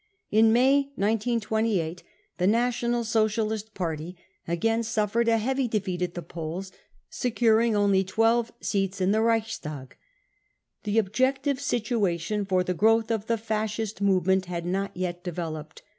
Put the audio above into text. In May 1928 the^ National Socialist Party again suffered a heavy * defeat at*the polls, securing only 12 seats in tfte Reichstag. The objective situation for the growth of the Fascist move ment*had not yet developed.